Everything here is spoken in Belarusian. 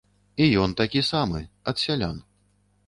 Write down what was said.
І ён такі самы, ад сялян.